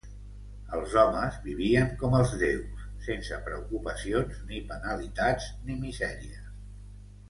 Els homes vivien com els déus, sense preocupacions ni penalitats ni misèries.